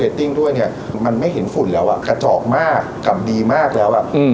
เลยเนี้ยมันไม่เห็นฝุ่นแล้วอะกระจอกมากกำดีมากแล้วอืม